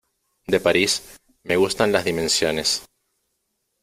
De París, me gustan las dimensiones.